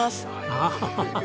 アハハハッ。